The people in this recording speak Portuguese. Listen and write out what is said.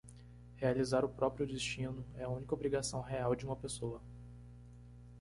Realizar o próprio destino é a única obrigação real de uma pessoa.